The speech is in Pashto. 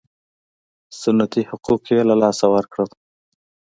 سنتي حقوق یې له لاسه ورکړل.